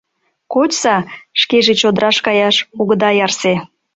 «Кочса, шкеже чодраш каяш огыда ярсе».